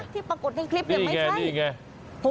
ที่ปรากฏในคลิปเนี่ยไม่ใช่ไง